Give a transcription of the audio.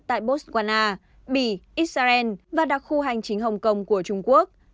tại botswana bỉ israel và đặc khu hành chính hồng kông của trung quốc